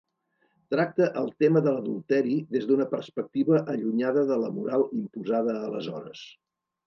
Tracta el tema de l'adulteri des d'una perspectiva allunyada de la moral imposada aleshores.